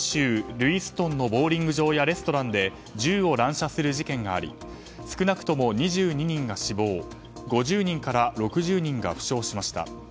ルイストンのボウリング場やレストランで銃を乱射する事件があり少なくとも２２人が死亡５０人から６０人が負傷しました。